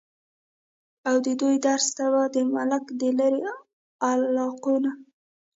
اود دوي درس ته به د ملک د لرې علاقو نه